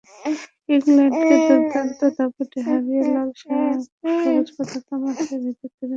ইংল্যান্ডকে দুর্দান্ত দাপটে হারিয়ে লাল-সবুজ পতাকা মাথায় বেঁধে তরুণ অধিনায়ক মিডিয়া-মঞ্চে এলেন।